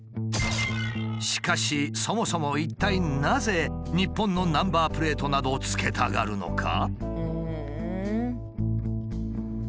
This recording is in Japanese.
しかしそもそも一体なぜ日本のナンバープレートなどつけたがるのか？